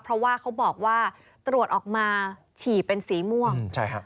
เพราะว่าเขาบอกว่าตรวจออกมาฉี่เป็นสีม่วงใช่ฮะ